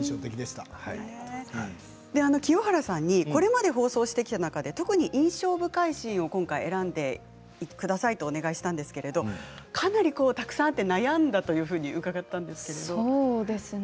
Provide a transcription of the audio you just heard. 清原さんにこれまで放送してきた中で特に印象深いシーンを選んでくださいとお願いしたんですがかなりたくさんあって悩まれたと伺いました。